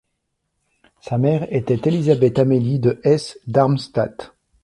Sa mère était Élisabeth-Amélie de Hesse-Darmstadt.